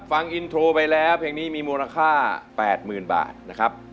ฟังอินโทรไปแล้วเพลงนี้มีมูลค่า๘๐๐๐บาทนะครับ